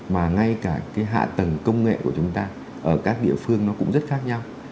mà ngay cả cái hạ tầng công nghệ của chúng ta ở các địa phương nó cũng rất khác nhau